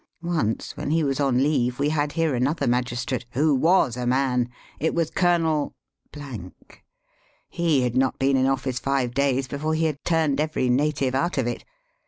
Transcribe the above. Once, when he was on leave, we had here another magis trate, who was a man. It was Colonel . He had not been in office five days before he had turned every native out of it.